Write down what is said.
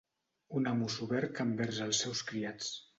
Un amo soberg envers els seus criats.